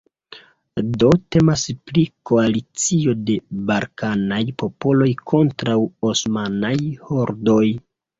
Do temas pri koalicio de balkanaj popoloj kontraŭ osmanaj hordoj.